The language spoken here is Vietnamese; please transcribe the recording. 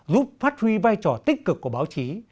giúp phát huy vai trò tích cực của báo chí